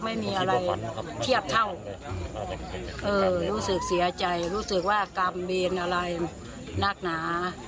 ไม่มีอะไรเทียบเท่ารู้สึกเสียใจรู้สึกว่ากรรมเวรอะไรนักหนา